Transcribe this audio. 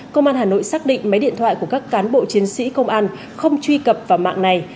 công an hà nội xác định máy điện thoại của các cán bộ chiến sĩ công an không truy cập vào mạng này